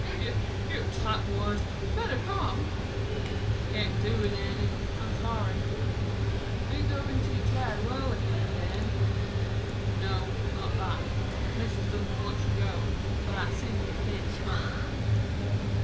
("'Y, you tight wad. You'd better come.") "Can't do it, Andy. I'm sorry." ("Are you going to the Tad Wallington dance?") "No, not that. Mis'es doesn't want to go, but I simply can't come."